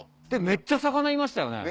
めっちゃ魚いましたよね